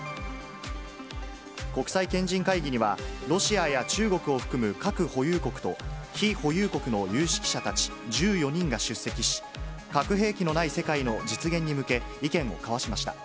国際賢人会議には、ロシアや中国を含む核保有国と、非保有国の有識者たち１４人が出席し、核兵器のない世界の実現に向け、意見を交わしました。